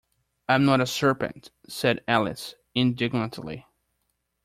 ‘I’m not a serpent!’ said Alice indignantly.